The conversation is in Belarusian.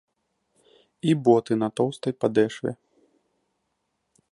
І боты на тоўстай падэшве.